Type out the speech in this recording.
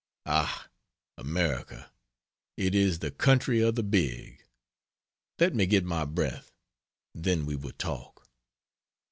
"Ach, America it is the country of the big! Let me get my breath then we will talk."